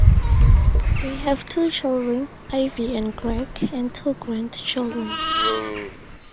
They have two children, Ivy and Greg, and two grandchildren.